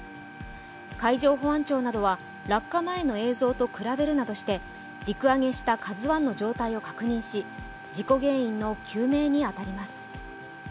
海上保安庁などは落下前の映像と比べるなどして陸揚げした「ＫＡＺＵⅠ」の状態を確認し、事故原因の究明に当たります。